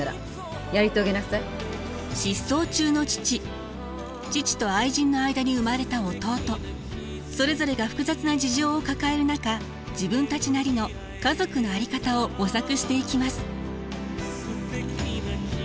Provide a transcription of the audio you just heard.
失踪中の父父と愛人の間に生まれた弟それぞれが複雑な事情を抱える中自分たちなりの家族の在り方を模索していきます。